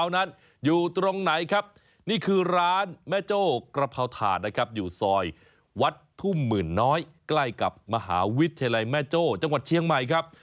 ในแม่โจ้จังหวัดเชียงใหม่ครับ